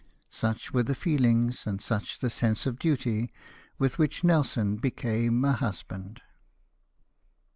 Such were the feelings, and such the sense of duty, with which Nelson became a husband.